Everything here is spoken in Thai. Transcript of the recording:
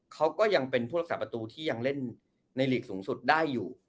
เขาก็ยังเป็นผู้รักษาประตูที่ยังเล่นในหลีกสูงสุดได้อยู่